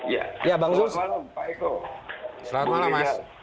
ya selamat malam pak eko selamat malam mas